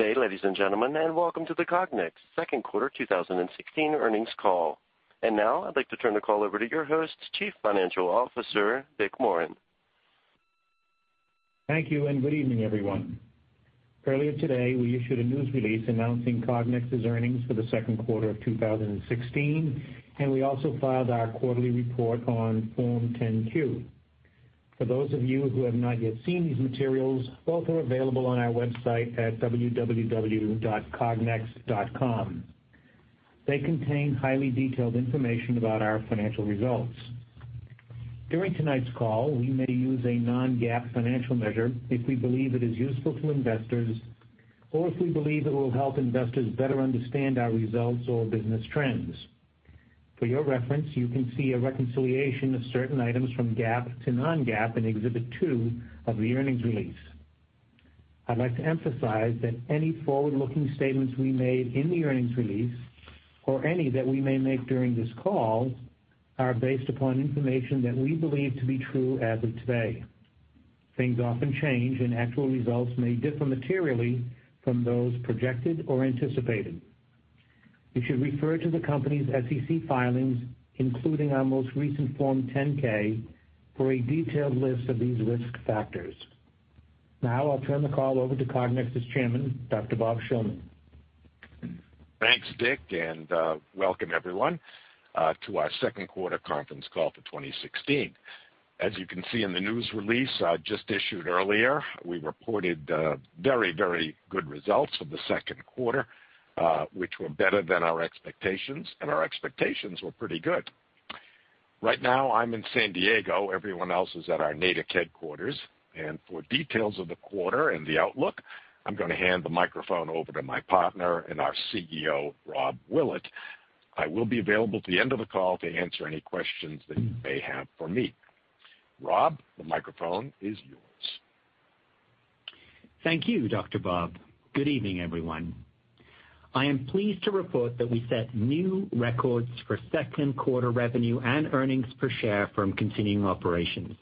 Good day, ladies and gentlemen, and welcome to the Cognex second quarter 2016 earnings call. Now I'd like to turn the call over to your host, Chief Financial Officer, Dick Morin. Thank you, and good evening, everyone. Earlier today, we issued a news release announcing Cognex's earnings for the second quarter of 2016, and we also filed our quarterly report on Form 10-Q. For those of you who have not yet seen these materials, both are available on our website at www.cognex.com. They contain highly detailed information about our financial results. During tonight's call, we may use a non-GAAP financial measure if we believe it is useful to investors or if we believe it will help investors better understand our results or business trends. For your reference, you can see a reconciliation of certain items from GAAP to non-GAAP in Exhibit 2 of the earnings release. I'd like to emphasize that any forward-looking statements we made in the earnings release, or any that we may make during this call, are based upon information that we believe to be true as of today. Things often change, and actual results may differ materially from those projected or anticipated. You should refer to the company's SEC filings, including our most recent Form 10-K, for a detailed list of these risk factors. Now I'll turn the call over to Cognex's chairman, Dr. Bob Shillman. Thanks, Dick, and welcome, everyone, to our second quarter conference call for 2016. As you can see in the news release, just issued earlier, we reported very, very good results for the second quarter, which were better than our expectations, and our expectations were pretty good. Right now, I'm in San Diego. Everyone else is at our Natick headquarters, and for details of the quarter and the outlook, I'm gonna hand the microphone over to my partner and our CEO, Rob Willett. I will be available at the end of the call to answer any questions that you may have for me. Rob, the microphone is yours. Thank you, Dr. Bob. Good evening, everyone. I am pleased to report that we set new records for second quarter revenue and earnings per share from continuing operations.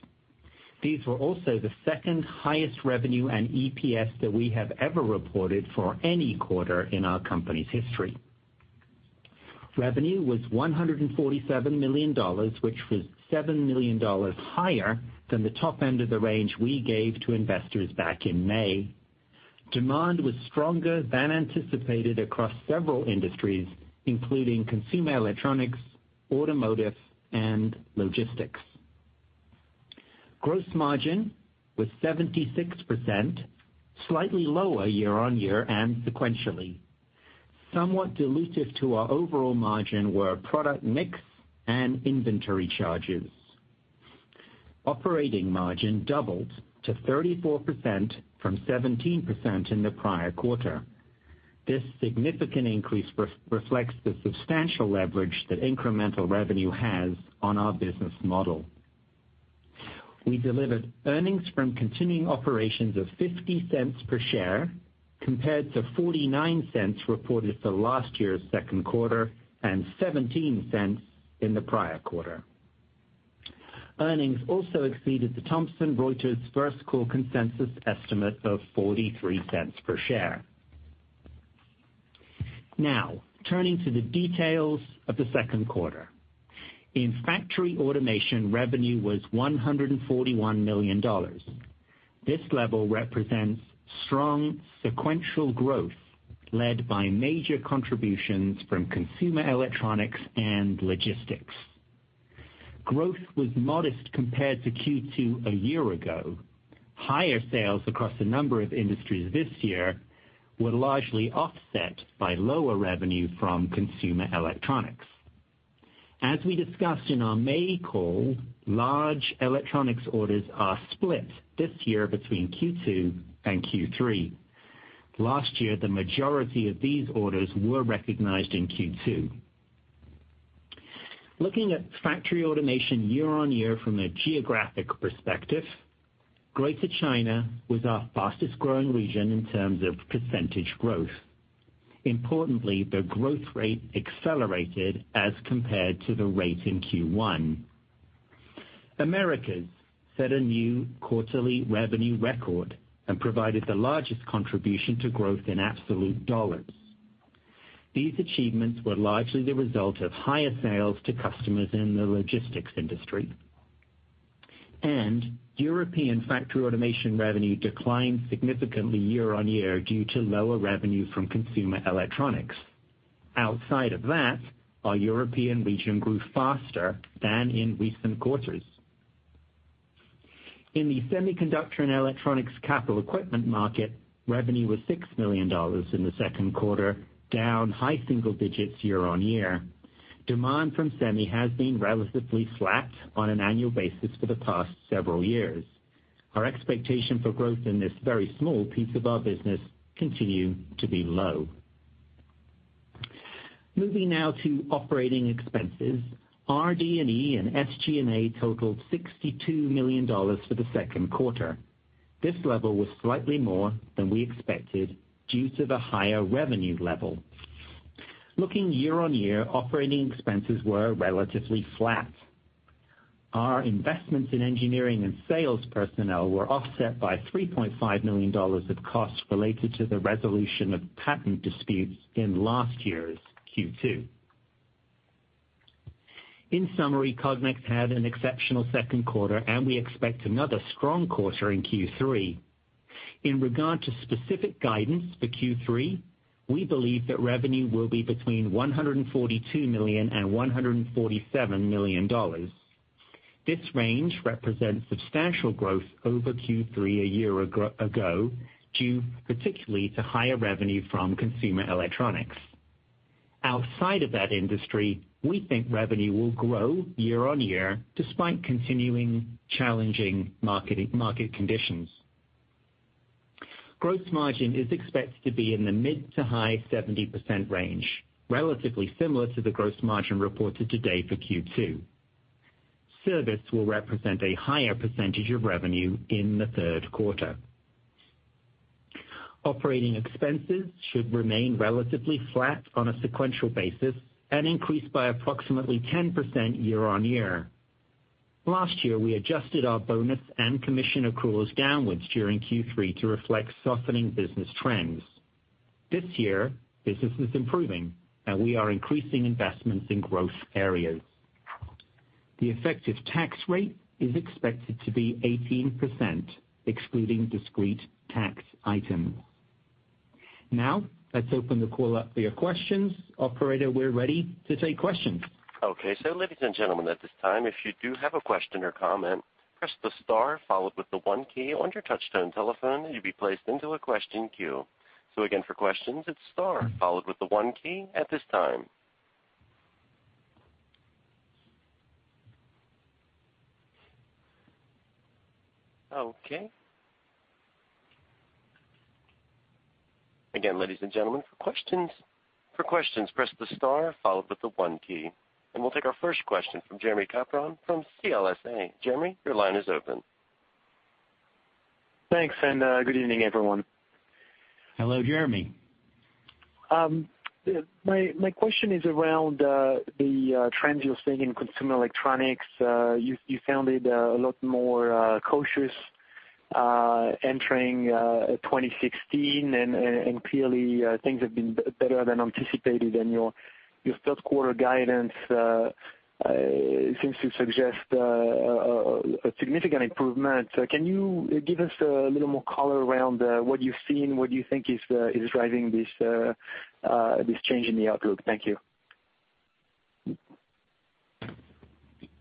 These were also the second-highest revenue and EPS that we have ever reported for any quarter in our company's history. Revenue was $147 million, which was $7 million higher than the top end of the range we gave to investors back in May. Demand was stronger than anticipated across several industries, including consumer electronics, automotive, and logistics. Gross margin was 76%, slightly lower year-on-year and sequentially. Somewhat dilutive to our overall margin were product mix and inventory charges. Operating margin doubled to 34% from 17% in the prior quarter. This significant increase reflects the substantial leverage that incremental revenue has on our business model. We delivered earnings from continuing operations of $0.50 per share, compared to $0.49 reported for last year's second quarter and $0.17 in the prior quarter. Earnings also exceeded the Thomson Reuters First Call consensus estimate of $0.43 per share. Now, turning to the details of the second quarter. In factory automation, revenue was $141 million. This level represents strong sequential growth led by major contributions from consumer electronics and logistics. Growth was modest compared to Q2 a year ago. Higher sales across a number of industries this year were largely offset by lower revenue from consumer electronics. As we discussed in our May call, large electronics orders are split this year between Q2 and Q3. Last year, the majority of these orders were recognized in Q2. Looking at factory automation year-over-year from a geographic perspective, Greater China was our fastest-growing region in terms of percentage growth. Importantly, the growth rate accelerated as compared to the rate in Q1. Americas set a new quarterly revenue record and provided the largest contribution to growth in absolute dollars. These achievements were largely the result of higher sales to customers in the logistics industry. European factory automation revenue declined significantly year-over-year due to lower revenue from consumer electronics. Outside of that, our European region grew faster than in recent quarters. In the semiconductor and electronics capital equipment market, revenue was $6 million in the second quarter, down high single digits year-over-year. Demand from semi has been relatively flat on an annual basis for the past several years. Our expectation for growth in this very small piece of our business continue to be low. Moving now to operating expenses, RD&E and SG&A totaled $62 million for the second quarter. This level was slightly more than we expected due to the higher revenue level. Looking year-on-year, operating expenses were relatively flat....Our investments in engineering and sales personnel were offset by $3.5 million of costs related to the resolution of patent disputes in last year's Q2. In summary, Cognex had an exceptional second quarter, and we expect another strong quarter in Q3. In regard to specific guidance for Q3, we believe that revenue will be between $142 million and $147 million. This range represents substantial growth over Q3 a year ago, due particularly to higher revenue from consumer electronics. Outside of that industry, we think revenue will grow year-on-year, despite continuing challenging market conditions. Gross margin is expected to be in the mid- to high-70% range, relatively similar to the gross margin reported today for Q2. Service will represent a higher percentage of revenue in the third quarter. Operating expenses should remain relatively flat on a sequential basis and increase by approximately 10% year-on-year. Last year, we adjusted our bonus and commission accruals downwards during Q3 to reflect softening business trends. This year, business is improving, and we are increasing investments in growth areas. The effective tax rate is expected to be 18%, excluding discrete tax items. Now, let's open the call up for your questions. Operator, we're ready to take questions. Okay. So ladies and gentlemen, at this time, if you do have a question or comment, press the star followed with the one key on your touchtone telephone, you'll be placed into a question queue. So again, for questions, it's star followed with the one key at this time. Okay. Again, ladies and gentlemen, for questions, for questions, press the star followed with the one key, and we'll take our first question from Jeremy Capron from CLSA. Jeremy, your line is open. Thanks, and, good evening, everyone. Hello, Jeremy. My question is around the trends you're seeing in consumer electronics. You sounded a lot more cautious entering 2016, and clearly things have been better than anticipated, and your third quarter guidance seems to suggest a significant improvement. So can you give us a little more color around what you've seen, what you think is driving this change in the outlook? Thank you.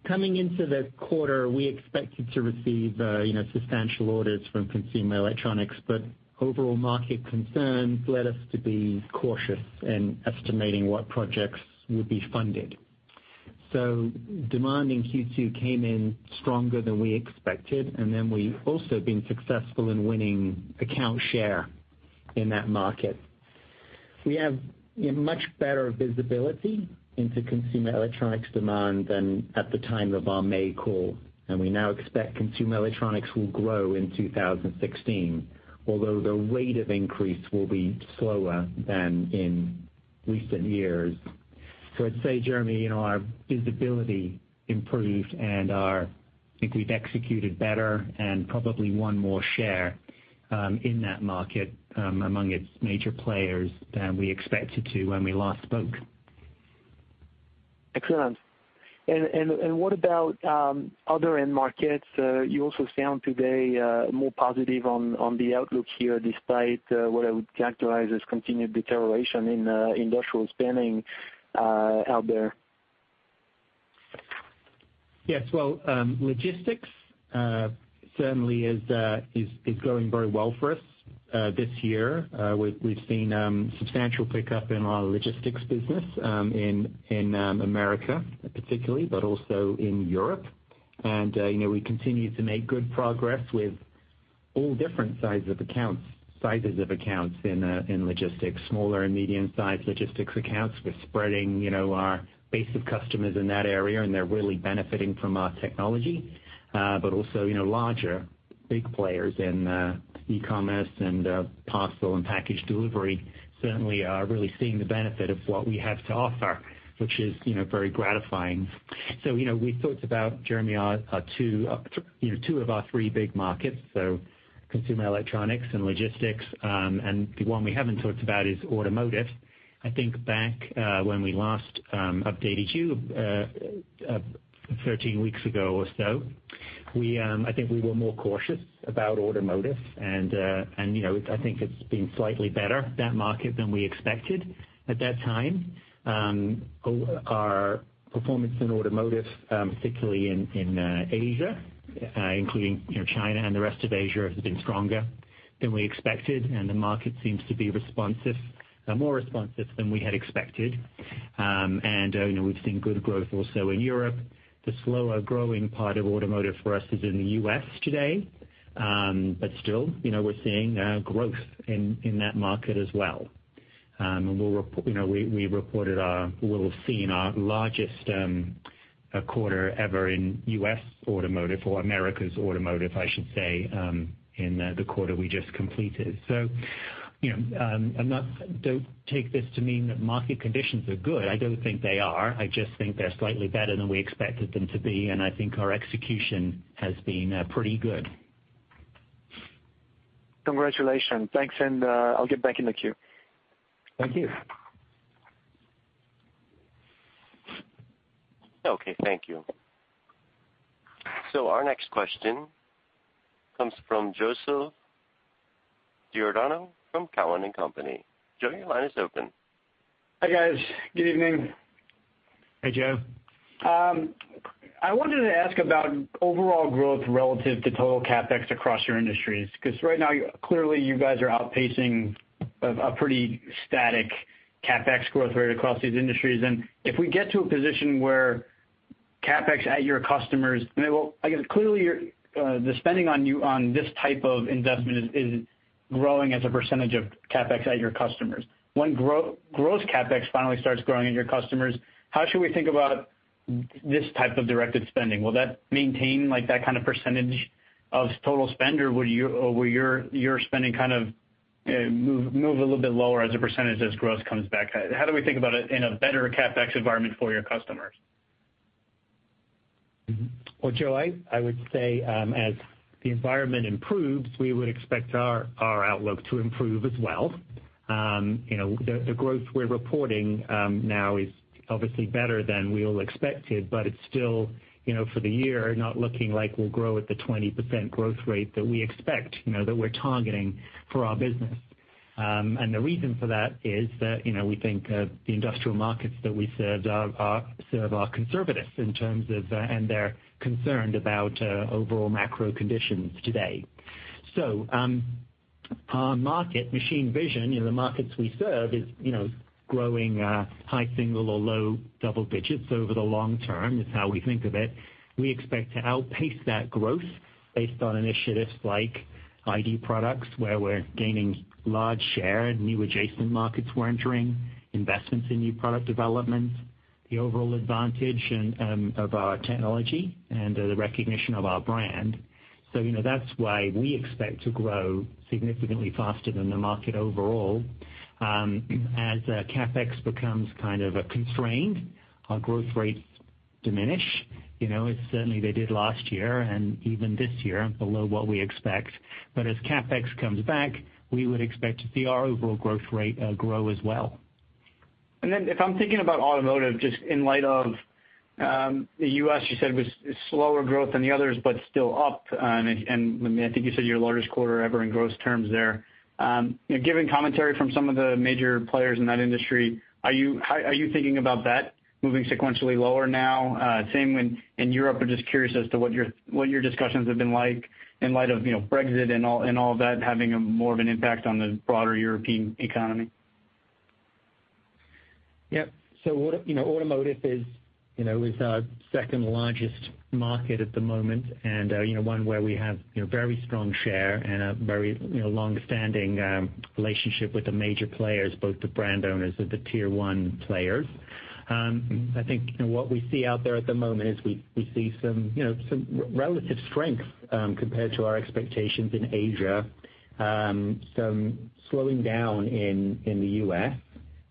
Coming into the quarter, we expected to receive, you know, substantial orders from consumer electronics, but overall market concerns led us to be cautious in estimating what projects would be funded. So demand in Q2 came in stronger than we expected, and then we've also been successful in winning account share in that market. We have, we have much better visibility into consumer electronics demand than at the time of our May call, and we now expect consumer electronics will grow in 2016, although the rate of increase will be slower than in recent years. So I'd say, Jeremy, you know, our visibility improved, and our-- I think we've executed better and probably won more share in that market among its major players than we expected to when we last spoke. Excellent. And what about other end markets? You also sound today more positive on the outlook here, despite what I would characterize as continued deterioration in industrial spending out there. Yes. Well, logistics certainly is going very well for us this year. We've seen substantial pickup in our logistics business in America, particularly, but also in Europe. And you know, we continue to make good progress with all different sizes of accounts in logistics. Smaller and medium-sized logistics accounts, we're spreading you know, our base of customers in that area, and they're really benefiting from our technology. But also you know, larger big players in e-commerce and parcel and package delivery certainly are really seeing the benefit of what we have to offer, which is you know, very gratifying. So, you know, we've talked about, Jeremy, our 2, you know, 2 of our 3 big markets, so consumer electronics and logistics, and the one we haven't talked about is automotive. I think back when we last updated you 13 weeks ago or so, I think we were more cautious about automotive and, you know, I think it's been slightly better, that market, than we expected at that time. Our performance in automotive, particularly in Asia, including, you know, China and the rest of Asia, has been stronger than we expected, and the market seems to be responsive, more responsive than we had expected. And, you know, we've seen good growth also in Europe. The slower growing part of automotive for us is in the US today, but still, you know, we're seeing growth in that market as well. And you know, we reported our largest quarter ever in US automotive or Americas automotive, I should say, in the quarter we just completed. So... You know, I'm not. Don't take this to mean that market conditions are good. I don't think they are. I just think they're slightly better than we expected them to be, and I think our execution has been pretty good. Congratulations. Thanks, and, I'll get back in the queue. Thank you. Okay, thank you. Our next question comes from Joseph Giordano from Cowen and Company. Joe, your line is open. Hi, guys. Good evening. Hey, Joe. I wanted to ask about overall growth relative to total CapEx across your industries, because right now, clearly, you guys are outpacing a pretty static CapEx growth rate across these industries. And if we get to a position where CapEx at your customers, I mean, well, I guess, clearly, the spending on this type of investment is growing as a percentage of CapEx at your customers. When gross CapEx finally starts growing at your customers, how should we think about this type of directed spending? Will that maintain, like, that kind of percentage of total spend, or will your spending kind of move a little bit lower as a percentage as growth comes back? How do we think about it in a better CapEx environment for your customers? Well, Joe, I would say, as the environment improves, we would expect our outlook to improve as well. You know, the growth we're reporting now is obviously better than we all expected, but it's still, you know, for the year, not looking like we'll grow at the 20% growth rate that we expect, you know, that we're targeting for our business. And the reason for that is that, you know, we think the industrial markets that we serve are conservative in terms of, and they're concerned about overall macro conditions today. So, our market, machine vision, in the markets we serve is, you know, growing high single or low double digits over the long term, is how we think of it. We expect to outpace that growth based on initiatives like ID products, where we're gaining large share in new adjacent markets we're entering, investments in new product development, the overall advantage and of our technology and the recognition of our brand. So, you know, that's why we expect to grow significantly faster than the market overall. As CapEx becomes kind of a constraint, our growth rates diminish, you know, as certainly they did last year and even this year, below what we expect. But as CapEx comes back, we would expect to see our overall growth rate grow as well. If I'm thinking about automotive, just in light of the U.S., you said, was slower growth than the others, but still up, and I think you said your largest quarter ever in gross terms there. Given commentary from some of the major players in that industry, are you thinking about that moving sequentially lower now? Same in Europe, I'm just curious as to what your discussions have been like in light of, you know, Brexit and all, and all that having a more of an impact on the broader European economy. Yep. So automotive is, you know, is our second largest market at the moment, and, you know, one where we have, you know, very strong share and a very, you know, long-standing relationship with the major players, both the brand owners and the Tier 1 players. I think what we see out there at the moment is we, we see some, you know, some relative strength, compared to our expectations in Asia, some slowing down in, in the U.S.,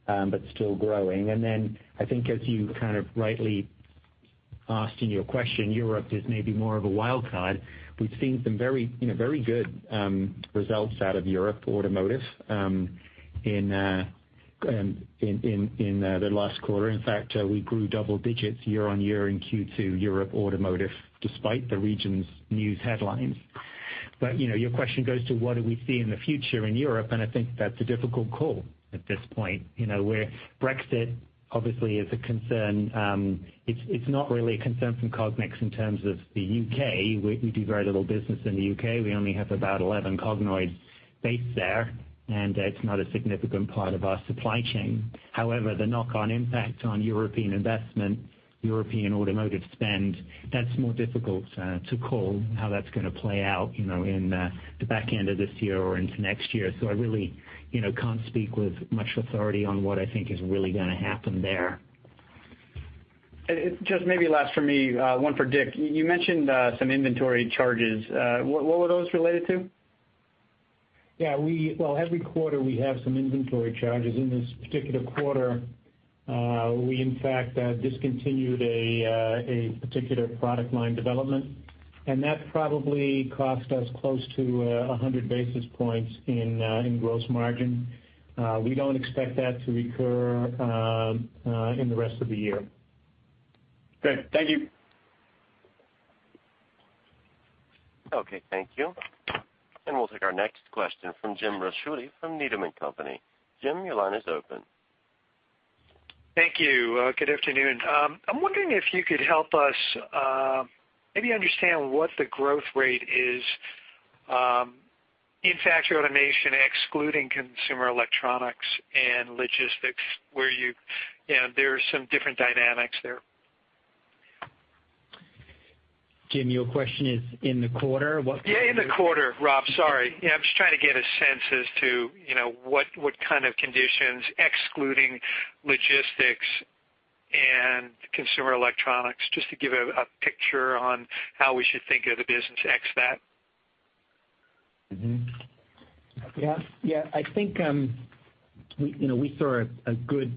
but still growing. And then I think as you kind of rightly asked in your question, Europe is maybe more of a wild card. We've seen some very, you know, very good results out of Europe automotive, in the last quarter. In fact, we grew double digits year-over-year in Q2 Europe automotive, despite the region's news headlines. But, you know, your question goes to what do we see in the future in Europe, and I think that's a difficult call at this point. You know, where Brexit obviously is a concern, it's not really a concern from Cognex in terms of the UK. We do very little business in the UK. We only have about 11 Cognoids based there, and it's not a significant part of our supply chain. However, the knock-on impact on European investment, European automotive spend, that's more difficult to call, how that's gonna play out, you know, in the back end of this year or into next year. So I really, you know, can't speak with much authority on what I think is really gonna happen there. And just maybe last for me, one for Dick. You mentioned some inventory charges. What were those related to? Yeah, well, every quarter, we have some inventory charges. In this particular quarter, we in fact discontinued a particular product line development, and that probably cost us close to 100 basis points in gross margin. We don't expect that to recur in the rest of the year. Great. Thank you. Okay, thank you. We'll take our next question from Jim Ricchiuti from Needham & Company. Jim, your line is open. Thank you. Good afternoon. I'm wondering if you could help us, maybe understand what the growth rate is, in factory automation, excluding consumer electronics and logistics, where you know, there are some different dynamics there. Jim, your question is in the quarter? What- Yeah, in the quarter, Rob. Sorry. Yeah, I'm just trying to get a sense as to, you know, what kind of conditions, excluding logistics and consumer electronics, just to give a picture on how we should think of the business ex that? Mm-hmm. Yeah, yeah, I think, we, you know, we saw a good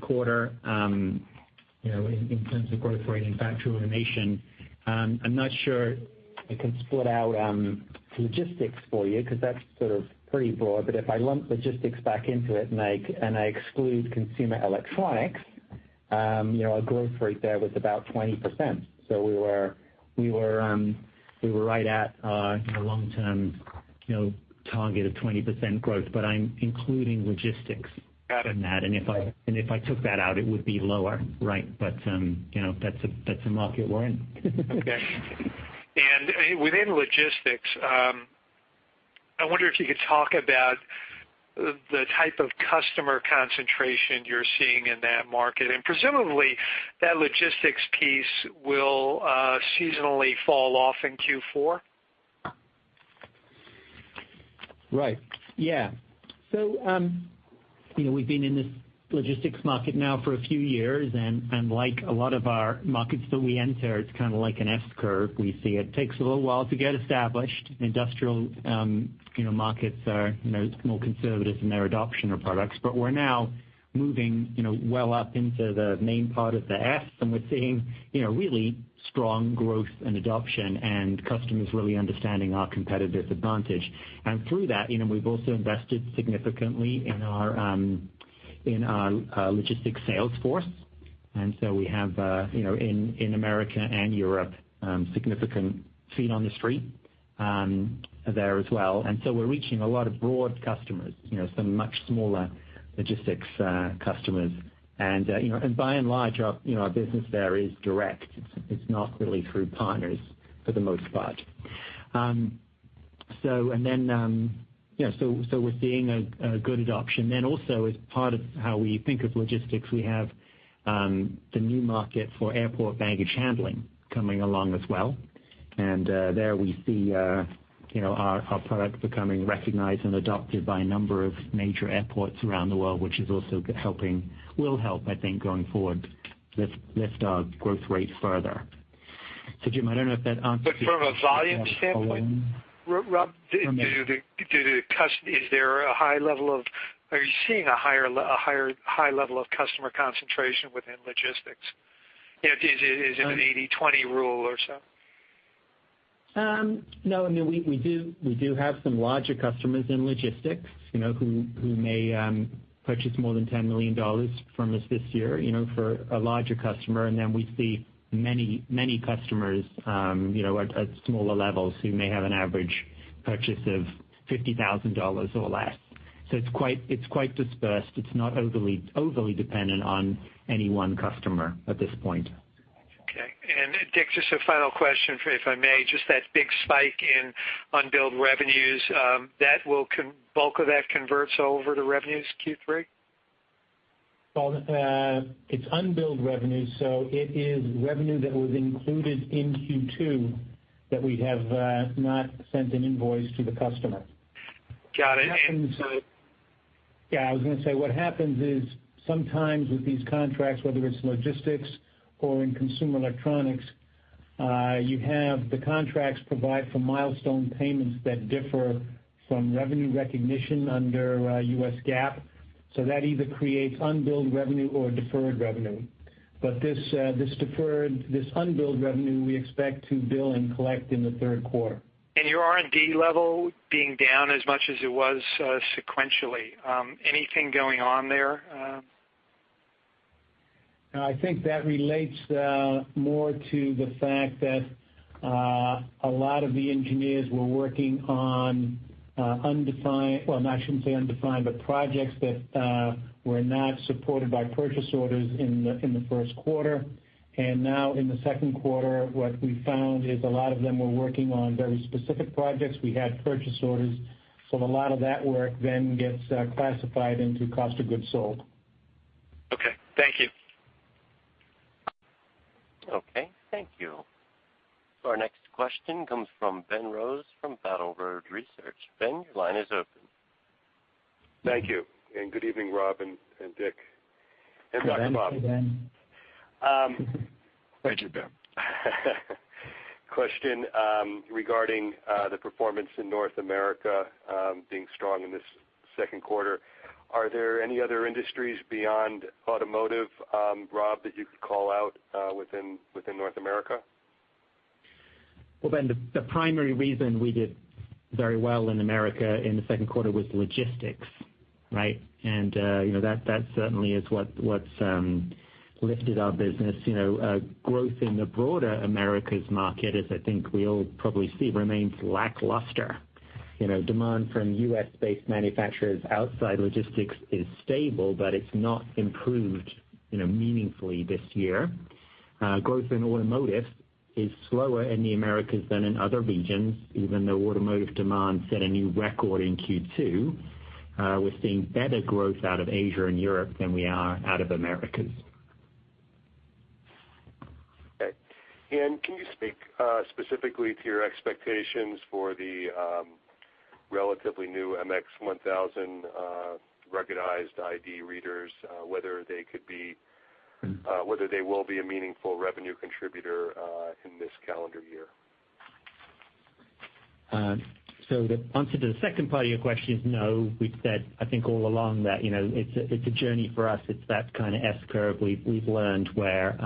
quarter, you know, in terms of growth rate in factory automation. I'm not sure I can split out logistics for you, because that's sort of pretty broad. But if I lump logistics back into it, and I exclude consumer electronics, you know, our growth rate there was about 20%. So we were right at, you know, long-term target of 20% growth, but I'm including logistics- Got it in that. And if I took that out, it would be lower, right? But, you know, that's a, that's the market we're in. Okay. And within logistics, I wonder if you could talk about the type of customer concentration you're seeing in that market. And presumably, that logistics piece will seasonally fall off in Q4? Right. Yeah. So, you know, we've been in this logistics market now for a few years, and like a lot of our markets that we enter, it's kind of like an S curve. We see it takes a little while to get established. Industrial, you know, markets are, you know, more conservative in their adoption of products. But we're now moving, you know, well up into the main part of the S, and we're seeing, you know, really strong growth and adoption, and customers really understanding our competitive advantage. And through that, you know, we've also invested significantly in our logistics sales force. And so we have, you know, in America and Europe, significant feet on the street there as well. And so we're reaching a lot of broad customers, you know, some much smaller logistics customers. And, you know, and by and large, our, you know, our business there is direct. It's not really through partners for the most part. So, and then, so we're seeing a good adoption. Then also, as part of how we think of logistics, we have the new market for airport baggage handling coming along as well. And, there we see, you know, our product becoming recognized and adopted by a number of major airports around the world, which is also helping, will help, I think, going forward, lift our growth rates further. So Jim, I don't know if that answers your question at all? But from a volume standpoint, Rob- Mm-hmm. Is there a high level of customer concentration within logistics? Are you seeing a higher level of customer concentration within logistics? You know, is it an 80/20 rule or so? No. I mean, we do have some larger customers in logistics, you know, who may purchase more than $10 million from us this year, you know, for a larger customer. And then we see many, many customers, you know, at smaller levels, who may have an average purchase of $50,000 or less. So it's quite dispersed. It's not overly dependent on any one customer at this point. Okay. And Dick, just a final question, if I may, just that big spike in unbilled revenues, the bulk of that converts over to revenues Q3? Well, it's unbilled revenue, so it is revenue that was included in Q2, that we have not sent an invoice to the customer. Got it. And so- Yeah, I was gonna say, what happens is, sometimes with these contracts, whether it's logistics or in consumer electronics, you have the contracts provide for milestone payments that differ from revenue recognition under U.S. GAAP. So that either creates unbilled revenue or deferred revenue. But this, this deferred, this unbilled revenue, we expect to bill and collect in the third quarter. Your R&D level being down as much as it was, sequentially, anything going on there? I think that relates more to the fact that a lot of the engineers were working on undefined—well, I shouldn't say undefined, but projects that were not supported by purchase orders in the first quarter. And now in the second quarter, what we found is a lot of them were working on very specific projects. We had purchase orders, so a lot of that work then gets classified into cost of goods sold. Okay, thank you. Okay, thank you. So our next question comes from Ben Rose of Battle Road Research. Ben, your line is open. Thank you, and good evening, Rob and Dick, and Dr. Bob. Hi, Ben. Thank you, Ben. Question, regarding the performance in North America being strong in this second quarter. Are there any other industries beyond automotive, Rob, that you could call out within North America? Well, Ben, the primary reason we did very well in Americas in the second quarter was logistics, right? And, you know, that certainly is what lifted our business. You know, growth in the broader Americas market is, I think we all probably see, remains lackluster. You know, demand from U.S.-based manufacturers outside logistics is stable, but it's not improved, you know, meaningfully this year. Growth in automotive is slower in the Americas than in other regions, even though automotive demand set a new record in Q2. We're seeing better growth out of Asia and Europe than we are out of Americas.... Okay. Can you speak specifically to your expectations for the relatively new MX-1000 ruggedized ID readers, whether they will be a meaningful revenue contributor in this calendar year? So the answer to the second part of your question is no. We've said, I think all along that, you know, it's a, it's a journey for us. It's that kind of S-curve we've, we've learned where,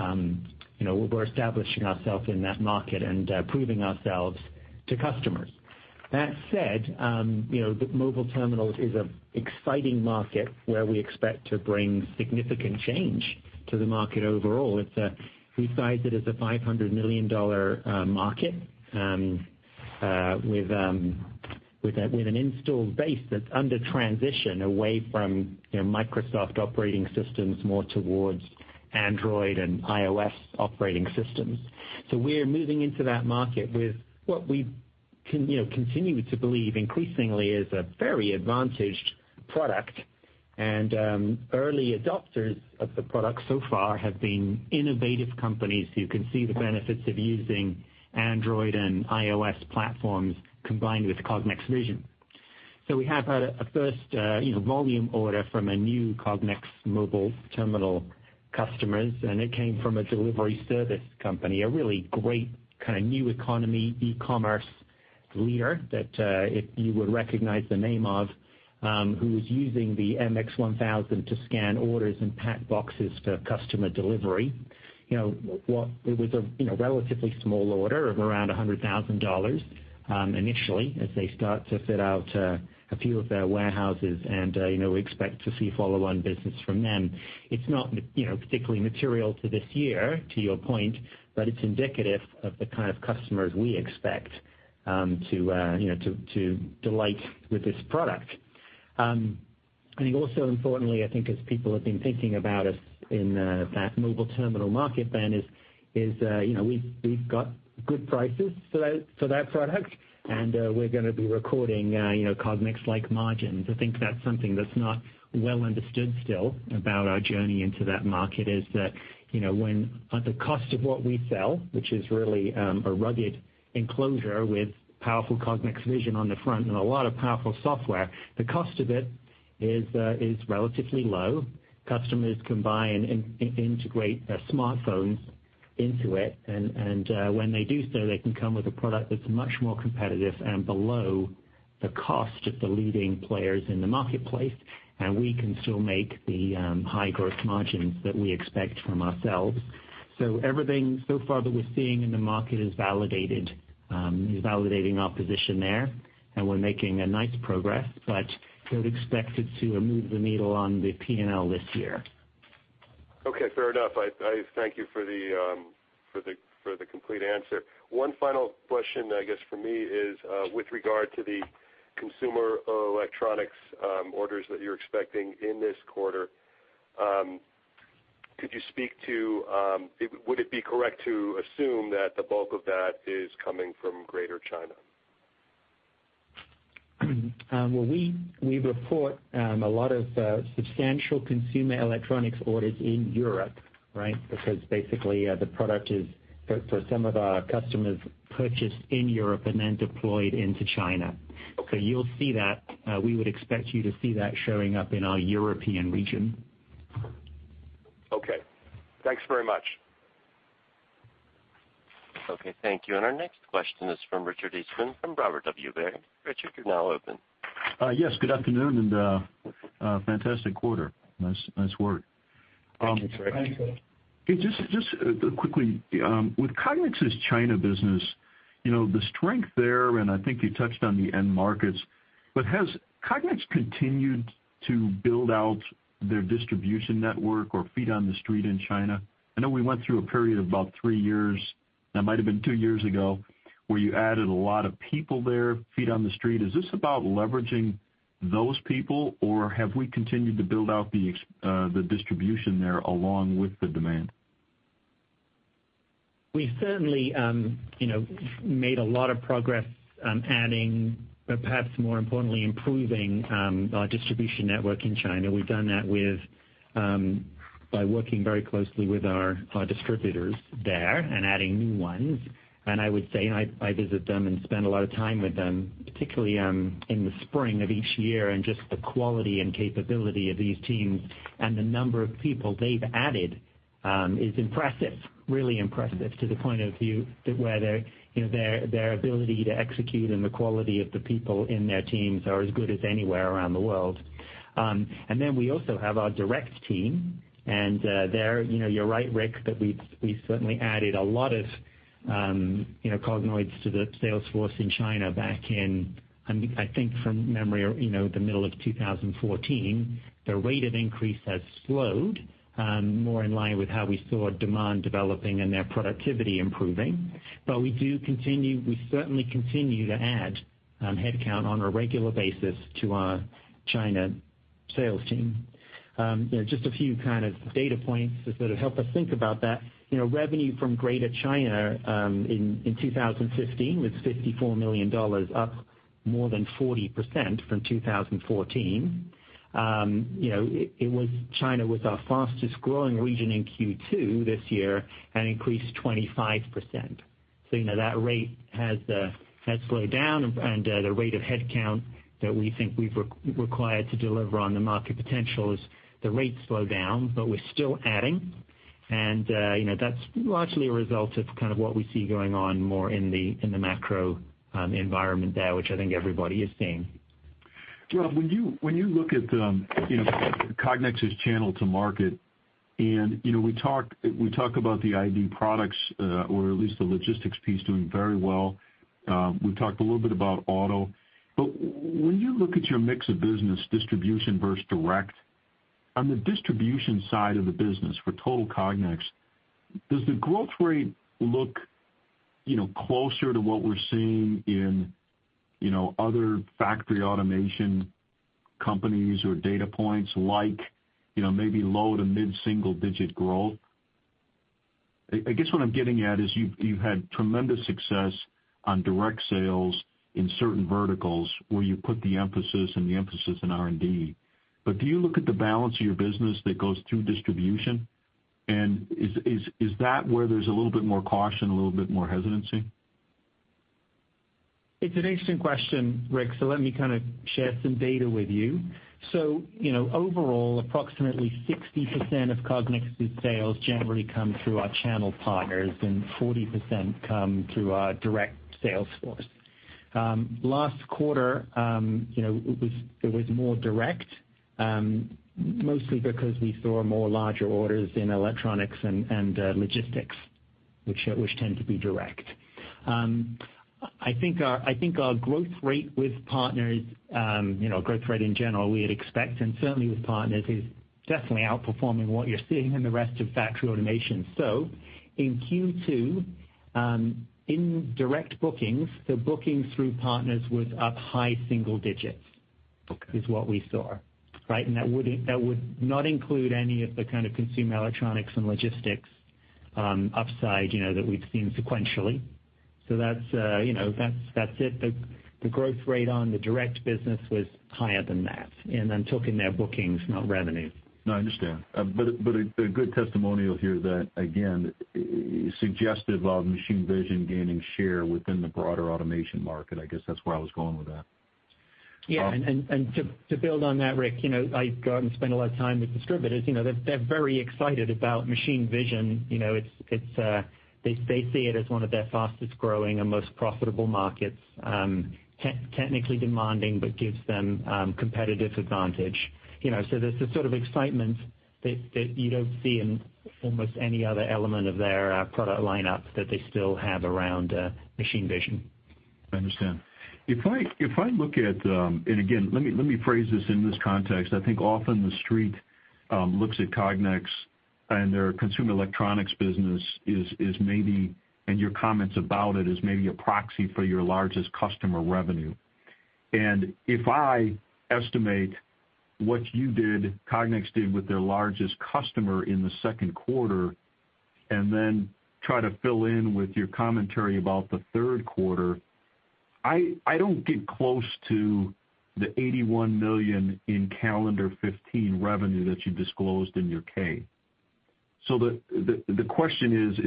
you know, we're establishing ourselves in that market and, proving ourselves to customers. That said, you know, the mobile terminals is a exciting market where we expect to bring significant change to the market overall. It's, we size it as a $500 million market, with, with a, with an installed base that's under transition away from, you know, Microsoft operating systems, more towards Android and iOS operating systems. So we're moving into that market with what we, you know, continue to believe increasingly is a very advantaged product. Early adopters of the product so far have been innovative companies who can see the benefits of using Android and iOS platforms combined with Cognex vision. So we have had a first, you know, volume order from a new Cognex mobile terminal customers, and it came from a delivery service company, a really great kind of new economy, e-commerce leader that if you would recognize the name of, who is using the MX-1000 to scan orders and pack boxes for customer delivery. You know, it was a you know relatively small order of around $100,000 initially, as they start to fit out a few of their warehouses, and you know, we expect to see follow-on business from them. It's not, you know, particularly material to this year, to your point, but it's indicative of the kind of customers we expect to, you know, to delight with this product. I think also importantly, I think as people have been thinking about us in that mobile terminal market, Ben, is, you know, we've got good prices for that product, and we're gonna be recording, you know, Cognex-like margins. I think that's something that's not well understood still about our journey into that market, is that, you know, when at the cost of what we sell, which is really a rugged enclosure with powerful Cognex vision on the front and a lot of powerful software, the cost of it is relatively low. Customers can buy and integrate their smartphones into it, and when they do so, they can come with a product that's much more competitive and below the cost of the leading players in the marketplace, and we can still make the high growth margins that we expect from ourselves. So everything so far that we're seeing in the market is validated, is validating our position there, and we're making a nice progress, but don't expect it to move the needle on the P&L this year. Okay, fair enough. I thank you for the complete answer. One final question, I guess, from me is, with regard to the consumer electronics orders that you're expecting in this quarter, could you speak to would it be correct to assume that the bulk of that is coming from Greater China? Well, we report a lot of substantial consumer electronics orders in Europe, right? Because basically, the product is for some of our customers purchased in Europe and then deployed into China. Okay. So you'll see that, we would expect you to see that showing up in our European region. Okay. Thanks very much. Okay, thank you. Our next question is from Richard Eastman from Robert W. Baird. Richard, you're now open. Yes, good afternoon, and a fantastic quarter. Nice, nice work. Thank you, Rick. Just quickly, with Cognex's China business, you know, the strength there, and I think you touched on the end markets, but has Cognex continued to build out their distribution network or feet on the street in China? I know we went through a period of about three years, that might have been two years ago, where you added a lot of people there, feet on the street. Is this about leveraging those people, or have we continued to build out the distribution there along with the demand? We've certainly, you know, made a lot of progress, adding, but perhaps more importantly, improving, our distribution network in China. We've done that with, by working very closely with our distributors there and adding new ones. And I would say, I visit them and spend a lot of time with them, particularly, in the spring of each year, and just the quality and capability of these teams and the number of people they've added, is impressive, really impressive, to the point of view that where their, you know, their ability to execute and the quality of the people in their teams are as good as anywhere around the world. And then we also have our direct team, and, there, you know, you're right, Rick, that we've, we've certainly added a lot of, you know, Cognoids to the sales force in China back in, I think from memory, or, you know, the middle of 2014. The rate of increase has slowed, more in line with how we saw demand developing and their productivity improving. But we do continue. We certainly continue to add, headcount on a regular basis to our China sales team. You know, just a few kind of data points to sort of help us think about that. You know, revenue from Greater China, in 2015 was $54 million, up more than 40% from 2014. You know, it was China was our fastest growing region in Q2 this year, and increased 25%. So you know, that rate has slowed down, and the rate of headcount that we think we required to deliver on the market potential as the rates slow down, but we're still adding. And you know, that's largely a result of kind of what we see going on more in the macro environment there, which I think everybody is seeing. Rob, when you look at, you know, Cognex's channel to market, and, you know, we talk about the ID products, or at least the logistics piece doing very well. We've talked a little bit about auto. But when you look at your mix of business, distribution versus direct, on the distribution side of the business for total Cognex, does the growth rate look, you know, closer to what we're seeing in, you know, other factory automation companies or data points like, you know, maybe low to mid single-digit growth? I guess what I'm getting at is you've had tremendous success on direct sales in certain verticals where you put the emphasis in R&D. Do you look at the balance of your business that goes through distribution, and is that where there's a little bit more caution, a little bit more hesitancy? It's an interesting question, Rick, so let me kind of share some data with you. So, you know, overall, approximately 60% of Cognex's sales generally come through our channel partners, and 40% come through our direct sales force. Last quarter, you know, it was more direct, mostly because we saw more larger orders in electronics and logistics, which tend to be direct. I think our growth rate with partners, you know, growth rate in general, we'd expect, and certainly with partners, is definitely outperforming what you're seeing in the rest of factory automation. So in Q2, in direct bookings, the bookings through partners was up high single digits. Okay - is what we saw. Right, and that wouldn't, that would not include any of the kind of consumer electronics and logistics, upside, you know, that we've seen sequentially. So that's, you know, that's, that's it. The, the growth rate on the direct business was higher than that, and I'm talking now bookings, not revenue. No, I understand. But a good testimonial here that, again, suggestive of machine vision gaining share within the broader automation market. I guess that's where I was going with that. Yeah, and to build on that, Rick, you know, I go out and spend a lot of time with distributors, you know, they're very excited about machine vision. You know, they see it as one of their fastest growing and most profitable markets, technically demanding, but gives them competitive advantage. You know, so there's this sort of excitement that you don't see in almost any other element of their product lineup that they still have around, machine vision. I understand. If I look at. And again, let me phrase this in this context, I think often the Street looks at Cognex and their consumer electronics business is maybe, and your comments about it, is maybe a proxy for your largest customer revenue. And if I estimate what you did, Cognex did with their largest customer in the second quarter, and then try to fill in with your commentary about the third quarter, I don't get close to the $81 million in calendar 2015 revenue that you disclosed in your K. So the question is: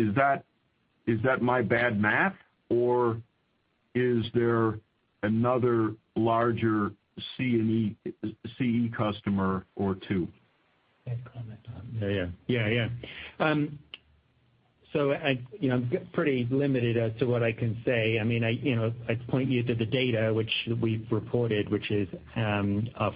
Is that my bad math, or is there another larger C&E, CE customer or two? I'll comment on that. Yeah, yeah. Yeah, yeah. So I, you know, I'm pretty limited as to what I can say. I mean, I, you know, I'd point you to the data which we've reported, which is our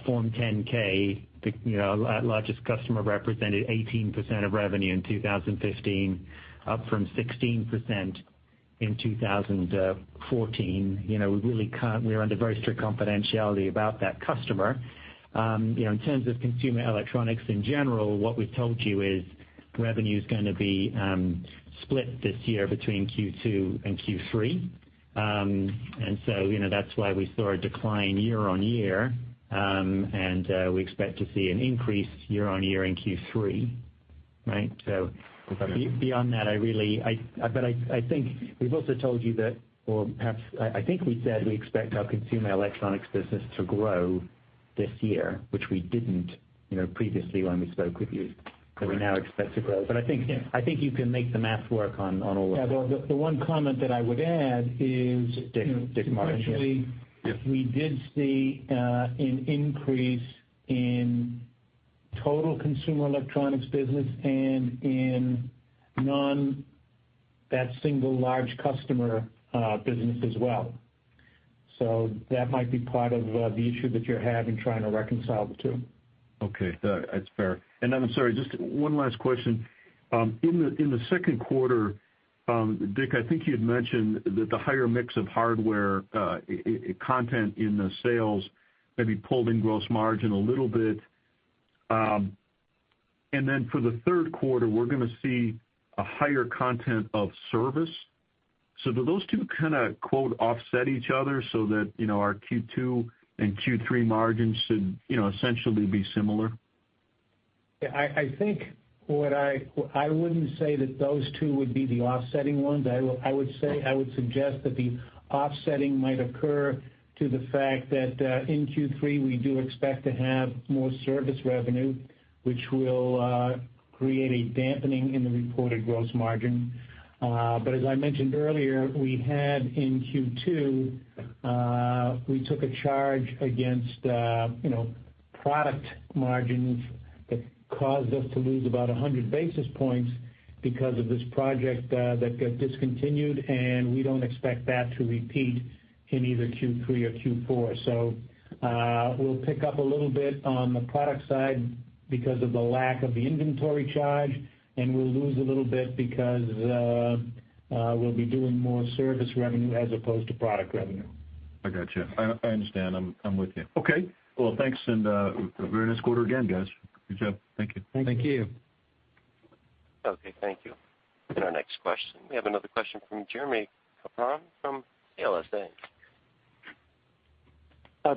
Form 10-K. You know, our largest customer represented 18% of revenue in 2015, up from 16% in 2014. You know, we really can't. We're under very strict confidentiality about that customer. You know, in terms of consumer electronics in general, what we've told you is revenue's gonna be split this year between Q2 and Q3. And so, you know, that's why we saw a decline year-on-year, and we expect to see an increase year-on-year in Q3, right? So- Okay. Beyond that, but I think we've also told you that, or perhaps I think we said we expect our consumer electronics business to grow this year, which we didn't, you know, previously when we spoke with you. Correct. We now expect to grow. I think- Yeah. I think you can make the math work on all of that. Yeah, well, the one comment that I would add is- Dick Morin. Yes. We did see an increase in total consumer electronics business and in non-that single large customer business as well. So that might be part of the issue that you're having, trying to reconcile the two. Okay, that's fair. And I'm sorry, just one last question. In the second quarter, Dick, I think you had mentioned that the higher mix of hardware content in the sales maybe pulled in gross margin a little bit. And then for the third quarter, we're gonna see a higher content of service? So do those two kinda, quote, "offset each other" so that, you know, our Q2 and Q3 margins should, you know, essentially be similar.... Yeah, I think what I wouldn't say that those two would be the offsetting ones. I would say I would suggest that the offsetting might occur to the fact that in Q3, we do expect to have more service revenue, which will create a dampening in the reported gross margin. But as I mentioned earlier, we had in Q2 we took a charge against you know product margins that caused us to lose about 100 basis points because of this project that got discontinued, and we don't expect that to repeat in either Q3 or Q4. So we'll pick up a little bit on the product side because of the lack of the inventory charge, and we'll lose a little bit because we'll be doing more service revenue as opposed to product revenue. I gotcha. I, I understand. I'm, I'm with you. Okay! Well, thanks, and very nice quarter again, guys. Good job. Thank you. Thank you. Thank you. Okay, thank you. Our next question. We have another question from Jeremie Capron from CLSA.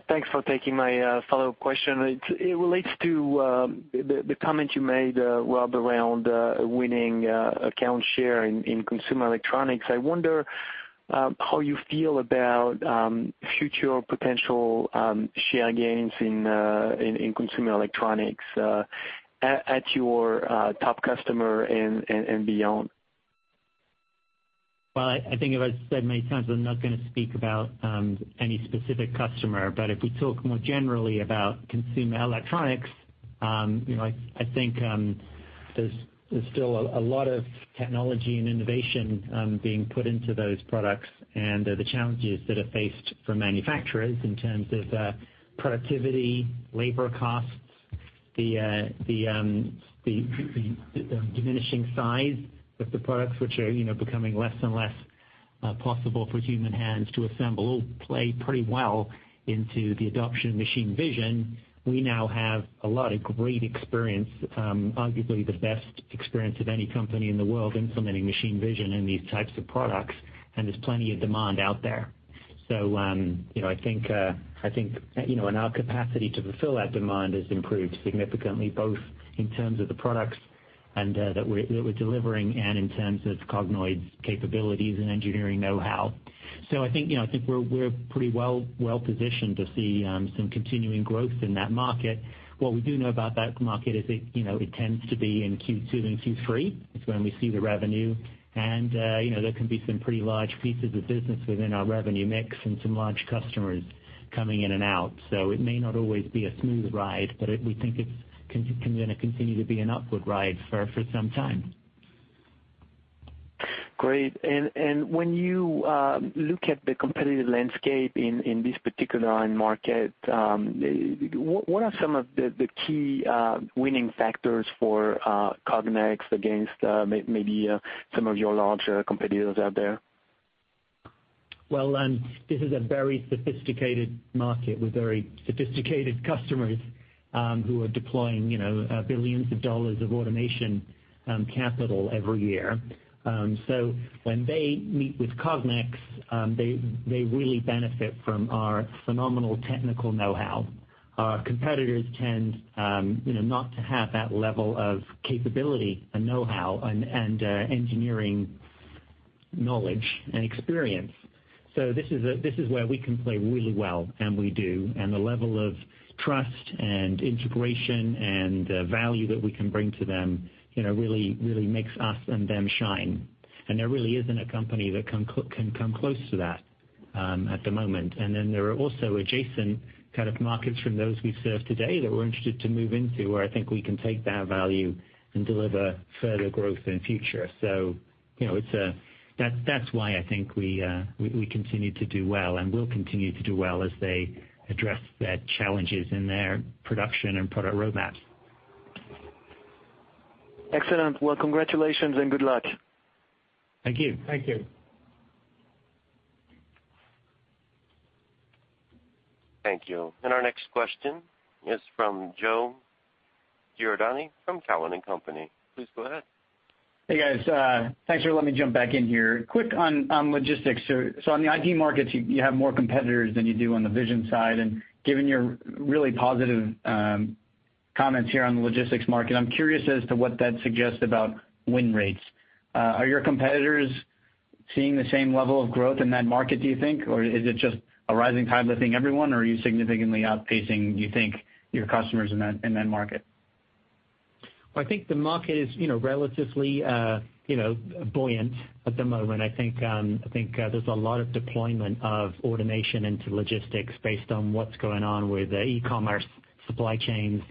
Thanks for taking my follow-up question. It relates to the comment you made, Rob, around winning account share in consumer electronics. I wonder how you feel about future potential share gains in consumer electronics at your top customer and beyond? Well, I think as I said many times, I'm not gonna speak about any specific customer, but if we talk more generally about consumer electronics, you know, I think there's still a lot of technology and innovation being put into those products. And the challenges that are faced for manufacturers in terms of productivity, labor costs, the diminishing size of the products, which are, you know, becoming less and less possible for human hands to assemble, all play pretty well into the adoption of machine vision. We now have a lot of great experience, arguably the best experience of any company in the world, implementing machine vision in these types of products, and there's plenty of demand out there. So, you know, I think, I think, you know, and our capacity to fulfill that demand has improved significantly, both in terms of the products and that we're delivering and in terms of Cognoids' capabilities and engineering know-how. So I think, you know, I think we're pretty well-positioned to see some continuing growth in that market. What we do know about that market is it, you know, it tends to be in Q2 and Q3. It's when we see the revenue, and, you know, there can be some pretty large pieces of business within our revenue mix and some large customers coming in and out. So it may not always be a smooth ride, but it, we think it's gonna continue to be an upward ride for some time. Great. And when you look at the competitive landscape in this particular end market, what are some of the key winning factors for Cognex against maybe some of your larger competitors out there? Well, this is a very sophisticated market with very sophisticated customers, who are deploying, you know, billions of dollars of automation capital every year. So when they meet with Cognex, they really benefit from our phenomenal technical know-how. Our competitors tend, you know, not to have that level of capability and know-how and engineering knowledge and experience. This is where we can play really well, and we do. The level of trust and integration and value that we can bring to them, you know, really makes us and them shine. There really isn't a company that can come close to that, at the moment. And then there are also adjacent kind of markets from those we serve today that we're interested to move into, where I think we can take that value and deliver further growth in the future. So, you know, it's... that's why I think we continue to do well and will continue to do well as they address the challenges in their production and product roadmaps. Excellent. Well, congratulations and good luck. Thank you. Thank you. Thank you. Our next question is from Joe Giordano from Cowen and Company. Please go ahead. Hey, guys. Thanks for letting me jump back in here. Quick on logistics. So on the ID markets, you have more competitors than you do on the vision side, and given your really positive comments here on the logistics market, I'm curious as to what that suggests about win rates. Are your competitors seeing the same level of growth in that market, do you think, or is it just a rising tide lifting everyone, or are you significantly outpacing, you think, your competitors in that market? Well, I think the market is, you know, relatively, you know, buoyant at the moment. I think, I think, there's a lot of deployment of automation into logistics based on what's going on with e-commerce, supply chains,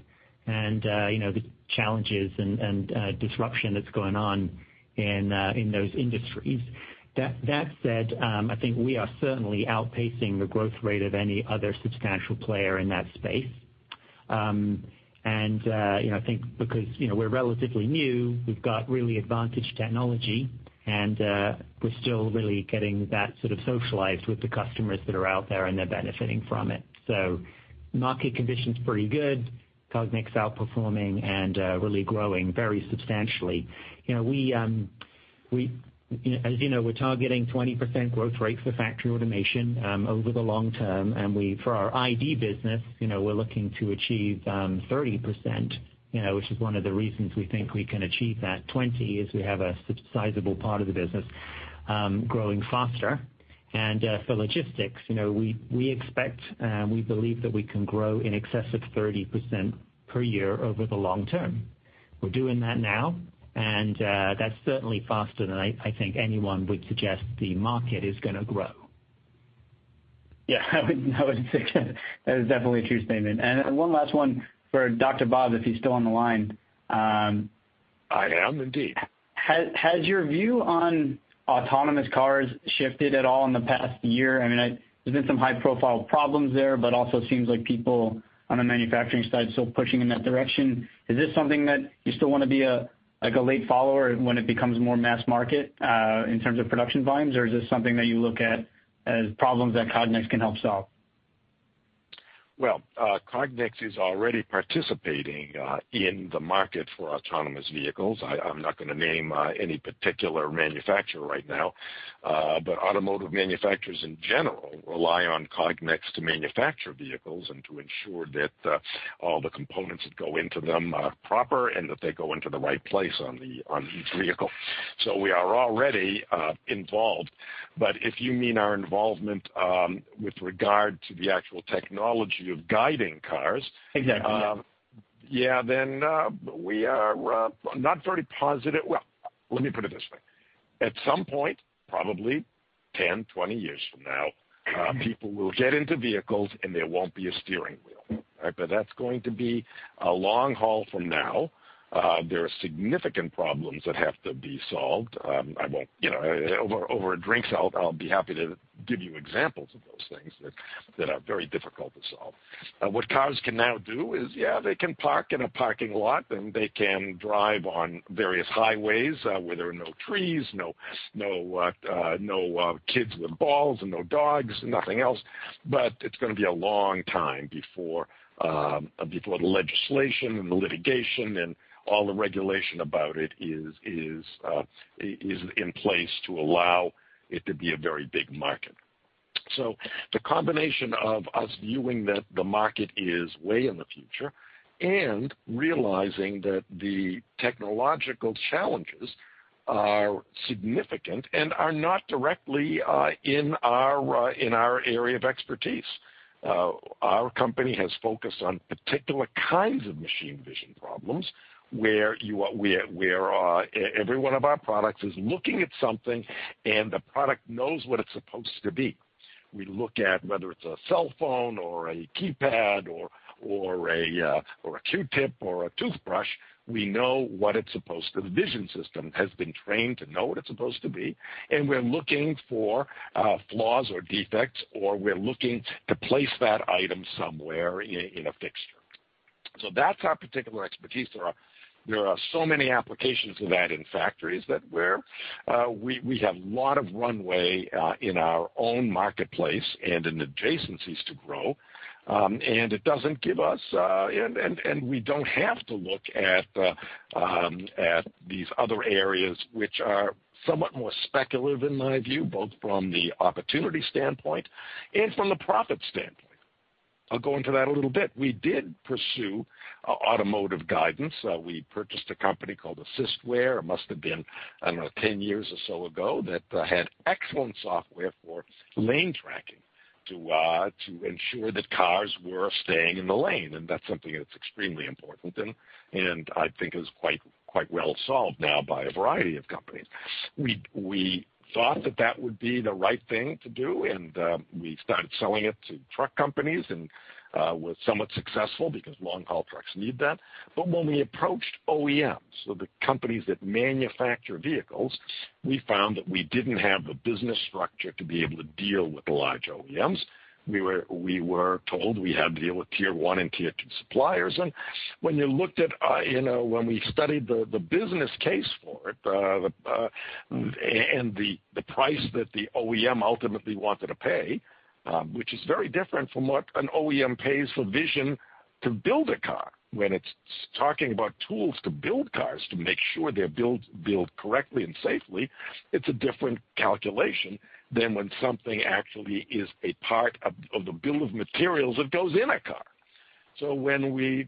and, you know, the challenges and, and, disruption that's going on in, in those industries. That, that said, I think we are certainly outpacing the growth rate of any other substantial player in that space. And, you know, I think because, you know, we're relatively new, we've got really advantage technology, and, we're still really getting that sort of socialized with the customers that are out there, and they're benefiting from it. So market conditions pretty good, Cognex outperforming and, really growing very substantially. You know, we, you know, as you know, we're targeting 20% growth rate for factory automation over the long term, and we, for our ID business, you know, we're looking to achieve 30%, you know, which is one of the reasons we think we can achieve that 20, is we have a substantial part of the business... growing faster. And, for logistics, you know, we expect, we believe that we can grow in excess of 30% per year over the long term. We're doing that now, and, that's certainly faster than I think anyone would suggest the market is gonna grow. Yeah, I would, I would suggest that is definitely a true statement. And one last one for Dr. Bob, if he's still on the line. I am indeed. Has your view on autonomous cars shifted at all in the past year? I mean, there's been some high-profile problems there, but also seems like people on the manufacturing side still pushing in that direction. Is this something that you still wanna be a, like, a late follower when it becomes more mass market in terms of production volumes? Or is this something that you look at as problems that Cognex can help solve? Well, Cognex is already participating in the market for autonomous vehicles. I'm not gonna name any particular manufacturer right now, but automotive manufacturers in general rely on Cognex to manufacture vehicles and to ensure that all the components that go into them are proper and that they go into the right place on each vehicle. So we are already involved. But if you mean our involvement with regard to the actual technology of guiding cars- Exactly. Yeah, then, we are not very positive. Well, let me put it this way. At some point, probably 10, 20 years from now, people will get into vehicles and there won't be a steering wheel, right? But that's going to be a long haul from now. There are significant problems that have to be solved. I won't, you know, over, over drinks, I'll, I'll be happy to give you examples of those things that, that are very difficult to solve. What cars can now do is, yeah, they can park in a parking lot, and they can drive on various highways, where there are no trees, no, no, kids with balls and no dogs, nothing else. But it's gonna be a long time before before the legislation and the litigation and all the regulation about it is in place to allow it to be a very big market. So the combination of us viewing that the market is way in the future and realizing that the technological challenges are significant and are not directly in our area of expertise. Our company has focused on particular kinds of machine vision problems, where every one of our products is looking at something, and the product knows what it's supposed to be. We look at whether it's a cell phone or a keypad or a Q-tip or a toothbrush, we know what it's supposed to... The vision system has been trained to know what it's supposed to be, and we're looking for flaws or defects, or we're looking to place that item somewhere in a fixture. So that's our particular expertise. There are so many applications of that in factories that we have a lot of runway in our own marketplace and in adjacencies to grow. And it doesn't give us and we don't have to look at these other areas, which are somewhat more speculative in my view, both from the opportunity standpoint and from the profit standpoint. I'll go into that a little bit. We did pursue automotive guidance. We purchased a company called AssistWare. It must have been, I don't know, 10 years or so ago, that had excellent software for lane tracking to, to ensure that cars were staying in the lane, and that's something that's extremely important, and, and I think is quite, quite well solved now by a variety of companies. We, we thought that that would be the right thing to do, and, we started selling it to truck companies and, was somewhat successful because long-haul trucks need that. But when we approached OEMs, so the companies that manufacture vehicles, we found that we didn't have the business structure to be able to deal with the large OEMs. We were, we were told we had to deal with Tier 1 and Tier 2 suppliers. And when you looked at, you know, when we studied the business case for it, and the price that the OEM ultimately wanted to pay, which is very different from what an OEM pays for vision to build a car. When it's talking about tools to build cars, to make sure they're built correctly and safely, it's a different calculation than when something actually is a part of the bill of materials that goes in a car. So when we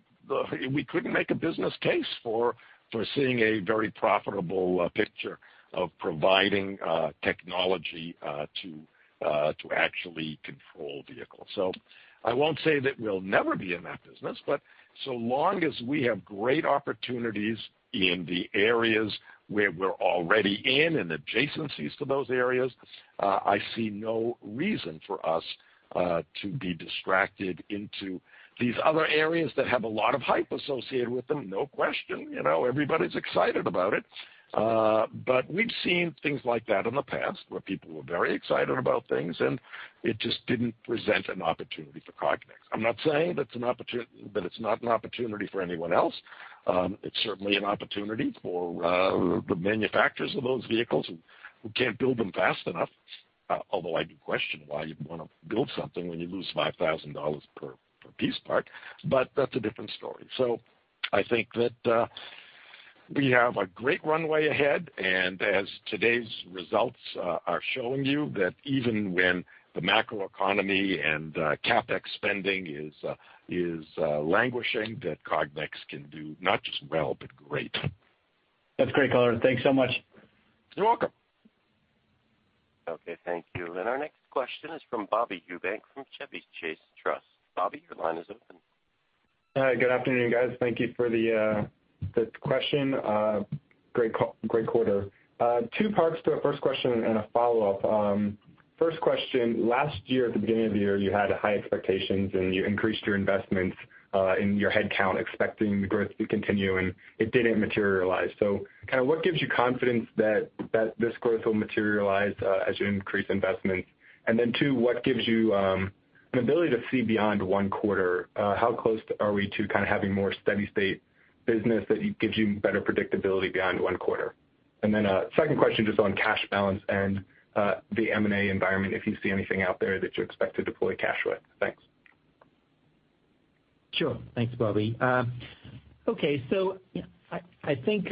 couldn't make a business case for seeing a very profitable picture of providing technology to actually control vehicles. So I won't say that we'll never be in that business, but so long as we have great opportunities in the areas where we're already in and adjacencies to those areas, I see no reason for us to be distracted into these other areas that have a lot of hype associated with them, no question. You know, everybody's excited about it. But we've seen things like that in the past, where people were very excited about things, and it just didn't present an opportunity for Cognex. I'm not saying that it's not an opportunity for anyone else. It's certainly an opportunity for the manufacturers of those vehicles who can't build them fast enough. Although I do question why you'd wanna build something when you lose $5,000 per piece part, but that's a different story. I think that we have a great runway ahead, and as today's results are showing you, that even when the macroeconomy and CapEx spending is languishing, that Cognex can do not just well, but great. That's great, Colin. Thanks so much. You're welcome.... Okay, thank you. Our next question is from Bobby Eubank from Chevy Chase Trust. Bobby, your line is open. Hi, good afternoon, guys. Thank you for the question. Great quarter. Two parts to a first question and a follow-up. First question, last year, at the beginning of the year, you had high expectations, and you increased your investments in your head count, expecting the growth to continue, and it didn't materialize. So kind of what gives you confidence that this growth will materialize as you increase investments? And then two, what gives you an ability to see beyond one quarter, how close are we to kind of having more steady state business that gives you better predictability beyond one quarter? And then a second question, just on cash balance and the M&A environment, if you see anything out there that you expect to deploy cash with? Thanks. Sure. Thanks, Bobby. Okay, so I think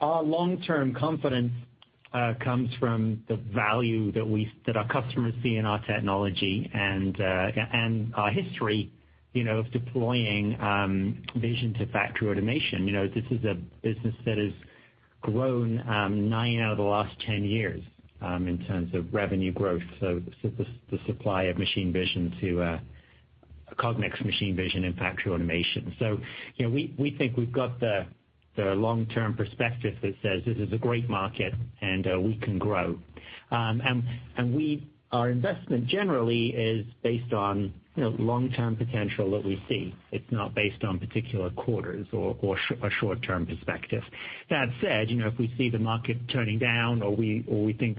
our long-term confidence comes from the value that our customers see in our technology and our history, you know, of deploying vision to factory automation. You know, this is a business that has grown nine out of the last 10 years in terms of revenue growth, so the supply of machine vision to Cognex machine vision and factory automation. So, you know, we think we've got the long-term perspective that says this is a great market, and we can grow. And our investment generally is based on, you know, long-term potential that we see. It's not based on particular quarters or a short-term perspective. That said, you know, if we see the market turning down or we think,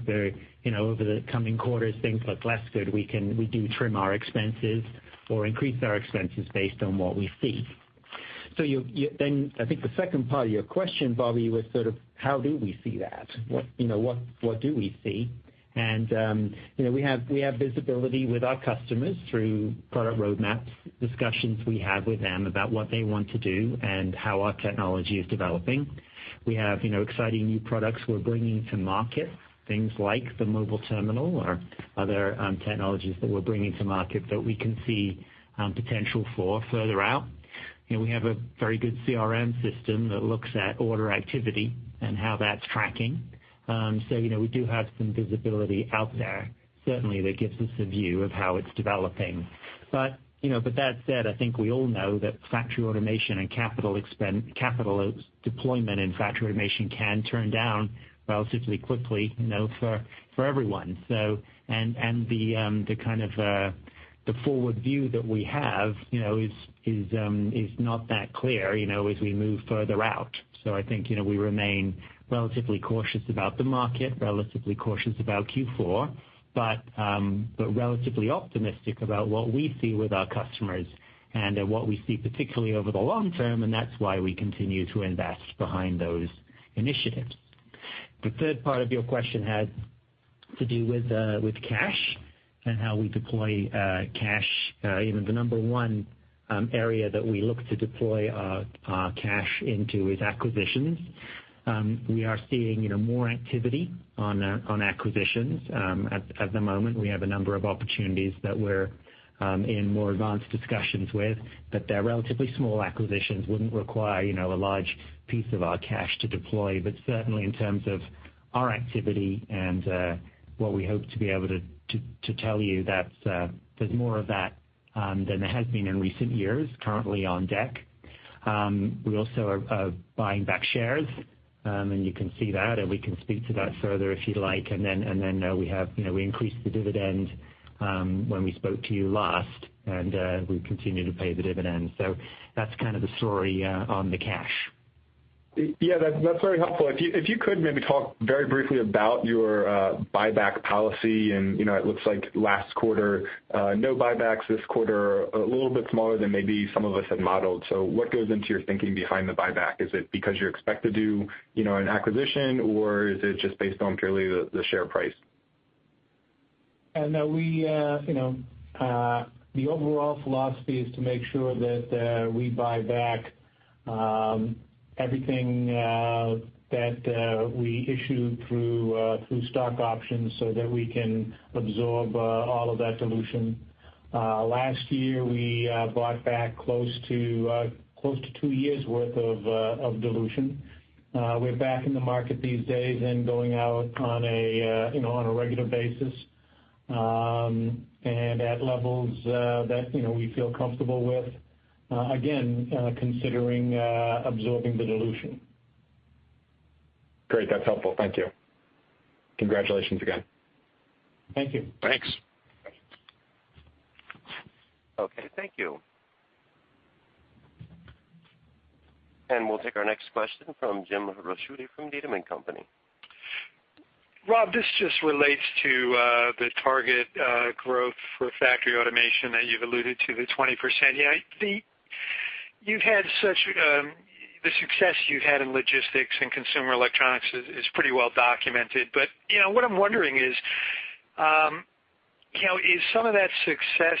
you know, over the coming quarters, things look less good, we can, we do trim our expenses or increase our expenses based on what we see. So then I think the second part of your question, Bobby, was sort of how do we see that? What, you know, what do we see? And, you know, we have visibility with our customers through product roadmaps, discussions we have with them about what they want to do and how our technology is developing. We have, you know, exciting new products we're bringing to market, things like the mobile terminal or other technologies that we're bringing to market that we can see potential for further out. You know, we have a very good CRM system that looks at order activity and how that's tracking. So, you know, we do have some visibility out there. Certainly, that gives us a view of how it's developing. But, you know, but that said, I think we all know that factory automation and capital expend- capital deployment in factory automation can turn down relatively quickly, you know, for, for everyone. So, and, and the, the kind of, the forward view that we have, you know, is, is, is not that clear, you know, as we move further out. So I think, you know, we remain relatively cautious about the market, relatively cautious about Q4, but, but relatively optimistic about what we see with our customers and, what we see particularly over the long term, and that's why we continue to invest behind those initiatives. The third part of your question had to do with cash and how we deploy cash. You know, the number one area that we look to deploy cash into is acquisitions. We are seeing, you know, more activity on acquisitions. At the moment, we have a number of opportunities that we're in more advanced discussions with, but they're relatively small acquisitions, wouldn't require, you know, a large piece of our cash to deploy. But certainly in terms of our activity and what we hope to be able to tell you, that's, there's more of that than there has been in recent years currently on deck. We also are buying back shares, and you can see that, and we can speak to that further if you'd like. And then, we have, you know, we increased the dividend when we spoke to you last, and we continue to pay the dividend. So that's kind of the story on the cash. Yeah, that's, that's very helpful. If you, if you could maybe talk very briefly about your buyback policy, and, you know, it looks like last quarter, no buybacks. This quarter, a little bit smaller than maybe some of us had modeled. So what goes into your thinking behind the buyback? Is it because you're expected to, you know, an acquisition, or is it just based on purely the, the share price? We, you know, the overall philosophy is to make sure that we buy back everything that we issue through through stock options so that we can absorb all of that dilution. Last year, we bought back close to close to two years worth of of dilution. We're back in the market these days and going out on a you know on a regular basis and at levels that you know we feel comfortable with again considering absorbing the dilution. Great. That's helpful. Thank you. Congratulations again. Thank you. Thanks. Thanks. Okay. Thank you. And we'll take our next question from Jim Ricchiuti from Needham & Company. Rob, this just relates to the target growth for factory automation that you've alluded to, the 20%. Yeah, the success you've had in logistics and consumer electronics is pretty well documented. But, you know, what I'm wondering is, you know, is some of that success,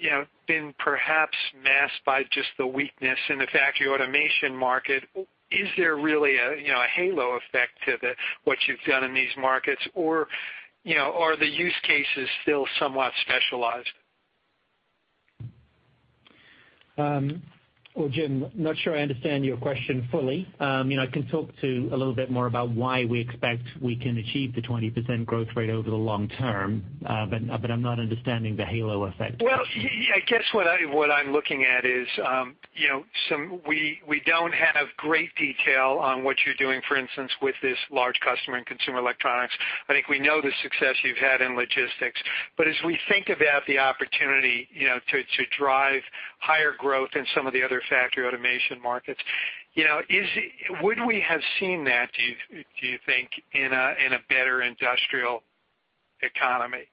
you know, been perhaps masked by just the weakness in the factory automation market? Is there really a, you know, a halo effect to the what you've done in these markets, or, you know, are the use cases still somewhat specialized? Well, Jim, not sure I understand your question fully. You know, I can talk to a little bit more about why we expect we can achieve the 20% growth rate over the long term, but I'm not understanding the halo effect. Well, yeah, I guess what I, what I'm looking at is, you know, we, we don't have great detail on what you're doing, for instance, with this large customer in consumer electronics. I think we know the success you've had in logistics. But as we think about the opportunity, you know, to drive higher growth in some of the other factory automation markets, you know, is, would we have seen that, do you think, in a better industrial economy?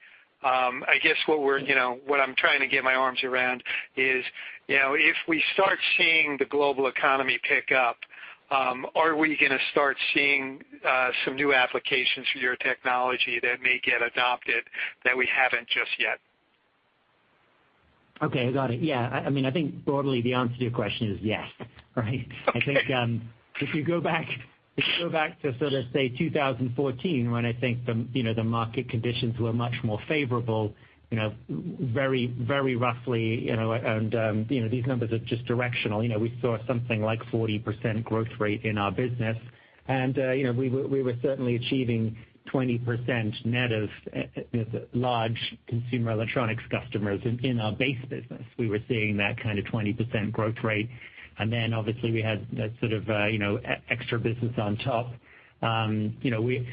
I guess what we're, you know, what I'm trying to get my arms around is, you know, if we start seeing the global economy pick up, are we gonna start seeing some new applications for your technology that may get adopted that we haven't just yet? Okay, got it. Yeah, I mean, I think broadly the answer to your question is yes, right? Okay. I think, if you go back, if you go back to sort of say, 2014, when I think the, you know, the market conditions were much more favorable, you know, very, very roughly, you know, and, you know, these numbers are just directional. You know, we saw something like 40% growth rate in our business. And, you know, we were, we were certainly achieving 20% net of, large consumer electronics customers in, in our base business. We were seeing that kind of 20% growth rate. And then, obviously, we had that sort of, you know, extra business on top. You know, we're,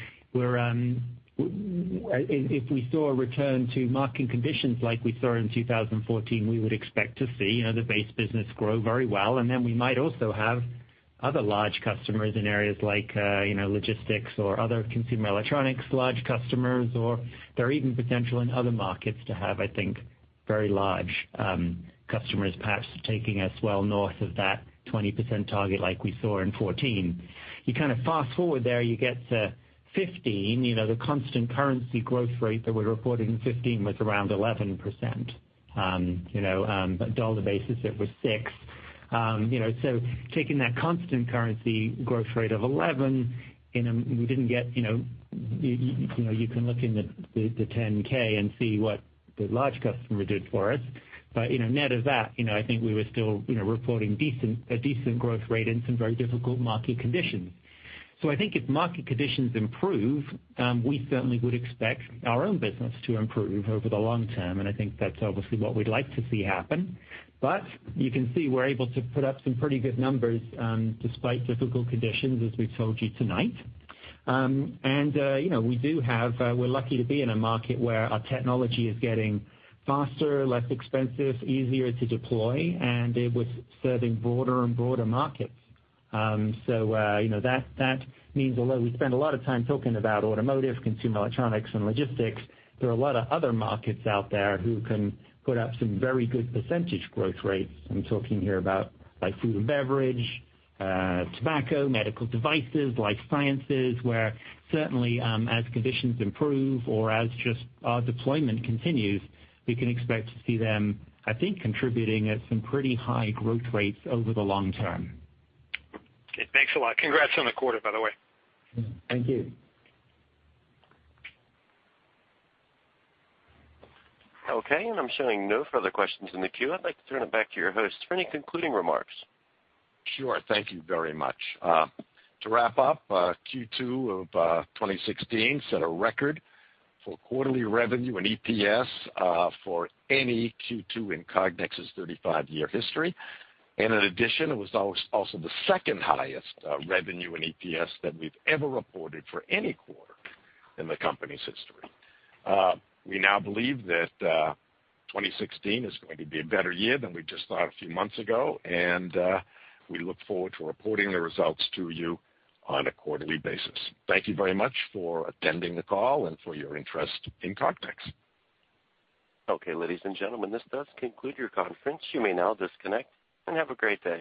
if we saw a return to market conditions like we saw in 2014, we would expect to see, you know, the base business grow very well, and then we might also have other large customers in areas like, you know, logistics or other consumer electronics, large customers, or there are even potential in other markets to have, I think, very large customers perhaps taking us well north of that 20% target like we saw in 2014. You kind of fast-forward there, you get to 2015, you know, the constant currency growth rate that we're reporting in 2015 was around 11%. You know, but dollar basis, it was 6%. You know, so taking that constant currency growth rate of 11, you know, we didn't get, you know, you can look in the 10-K and see what the large customer did for us. But, you know, net of that, you know, I think we were still, you know, reporting decent, a decent growth rate in some very difficult market conditions. So I think if market conditions improve, we certainly would expect our own business to improve over the long term, and I think that's obviously what we'd like to see happen. But you can see we're able to put up some pretty good numbers, despite difficult conditions, as we've told you tonight. And, you know, we do have, we're lucky to be in a market where our technology is getting faster, less expensive, easier to deploy, and it was serving broader and broader markets. So, you know, that, that means although we spend a lot of time talking about automotive, consumer electronics, and logistics, there are a lot of other markets out there who can put up some very good percentage growth rates. I'm talking here about like food and beverage, tobacco, medical devices, life sciences, where certainly, as conditions improve or as just our deployment continues, we can expect to see them, I think, contributing at some pretty high growth rates over the long term. Okay, thanks a lot. Congrats on the quarter, by the way. Thank you. Okay, and I'm showing no further questions in the queue. I'd like to turn it back to your host for any concluding remarks. Sure. Thank you very much. To wrap up, Q2 of 2016 set a record for quarterly revenue and EPS for any Q2 in Cognex's 35-year history. And in addition, it was also the second highest revenue and EPS that we've ever reported for any quarter in the company's history. We now believe that 2016 is going to be a better year than we just thought a few months ago, and we look forward to reporting the results to you on a quarterly basis. Thank you very much for attending the call and for your interest in Cognex. Okay, ladies and gentlemen, this does conclude your conference. You may now disconnect and have a great day.